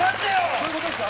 どういうことですか？